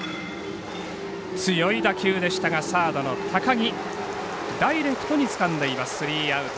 サードの高木ダイレクトにつかんでいますスリーアウト。